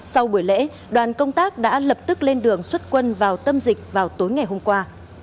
sau buổi lễ đoàn công tác đã lập tức lên đường xuất quân vào tâm dịch vào tối ngày hôm qua